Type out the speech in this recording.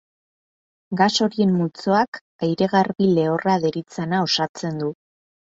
Gas horien multzoak aire garbi lehorra deritzana osatzen du.